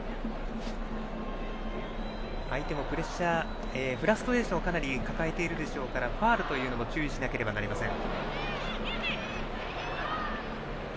相手もプレッシャーフラストレーションを抱えているでしょうからファウルにも注意をしなければいけません。